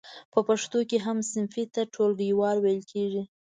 په پښتو کې هم صنفي ته ټولګیوال ویل کیږی.